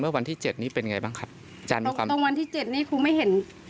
เมื่อวันที่เจ็ดนี้เป็นยังไงบ้างคะตรงตรงวันที่เจ็ดนี้ครูไม่เห็น